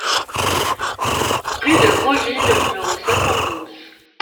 Rue de Grosville au numéro soixante-douze